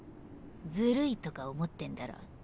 「ずるい」とか思ってんだろ？